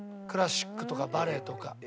クラシックとかバレエとか。